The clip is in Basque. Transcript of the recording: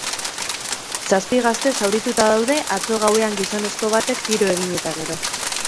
Zazpi gazte zaurituta daude, atzo gauean gizonezko batek tiro egin eta gero.